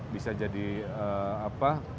bisa jadi utensil buat dapur untuk membuat benda